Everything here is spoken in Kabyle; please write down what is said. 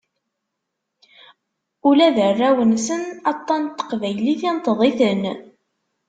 Ula d arraw-nsen, aṭṭan n teqbaylit inṭeḍ-iten.